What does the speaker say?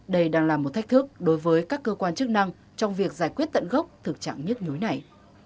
đây đang là một thách thức đối với các cơ quan chức năng trong việc giải quyết tận gốc thực trạng nhức nhối này